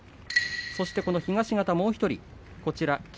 そして東方もう１人霧